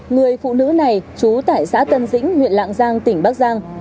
người phụ nữ này trú tại xã tân dĩnh huyện lạng giang tỉnh bắc giang